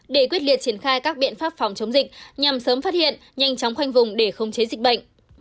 để quyết liệt triển khai các biện pháp phòng chống dịch nhằm sớm phát hiện nhanh chóng khoanh vùng để không chế dịch bệnh